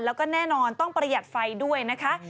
แล้วก็แน่นอนต้องประหยัดไฟด้วยนะคะ